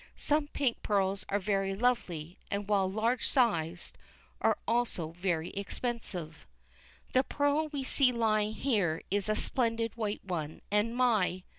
Some pink pearls are very lovely, and when large sized, are also very expensive. The pearl we see lying here is a splendid white one, and my!